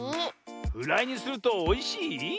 フライにするとおいしい？